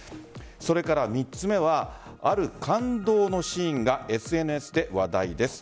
それから３つ目はある感動のシーンがＳＮＳで話題です。